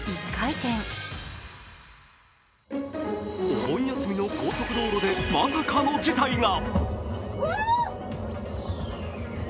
お盆休みの高速道路でまさかの事態が。